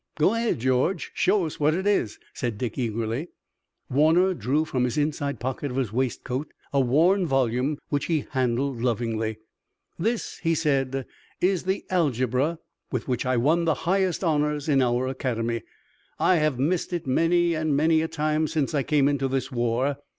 "Go ahead, George. Show us what it is!" said Dick eagerly. Warner drew from the inside pocket of his waist coat a worn volume which he handled lovingly. "This," he said, "is the algebra, with which I won the highest honors in our academy. I have missed it many and many a time since I came into this war.